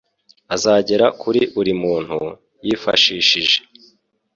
azagera kuri buri muntu, yifashishije